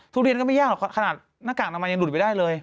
ทุเรียนก็ไม่ยากหรอกขนาดหน้ากากอนามัยยังหลุดไปได้เลย